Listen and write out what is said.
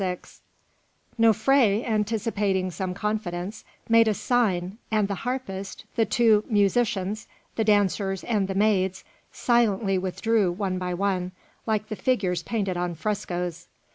II Nofré, anticipating some confidence, made a sign, and the harpist, the two musicians, the dancers, and the maids silently withdrew one by one, like the figures painted on frescoes.